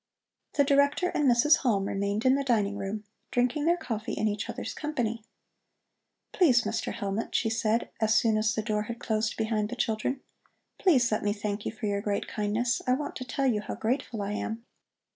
The Director and Mrs. Halm remained in the dining room, drinking their coffee in each other's company. "Please, Mr. Hellmut," she said, as soon as the door had closed behind the children, "please let me thank you for your great kindness. I want to tell you how grateful I am."